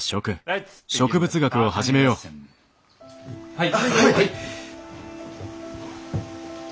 はい！